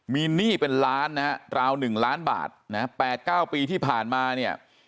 มีหนี้เป็นล้านนะฮะราว๑ล้านบาทนะ๘๙ปีที่ผ่านมาเนี่ย